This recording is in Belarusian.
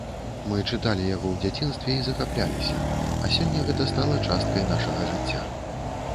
Мы чыталі яго ў дзяцінстве і захапляліся, а сёння гэта стала часткай нашага жыцця.